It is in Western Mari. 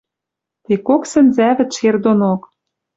Ти кок сӹнзӓвӹд шер донок.